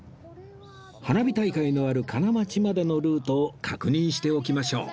花火大会のある金町までのルートを確認しておきましょう